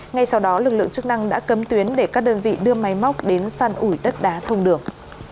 ngay sau đó lực lượng chức năng đã cấm tuyến để các đơn vị đưa máy móc đến săn ủi đất đá thông đường